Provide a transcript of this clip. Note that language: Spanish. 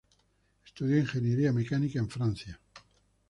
Estudió ingeniería mecánica en Francia.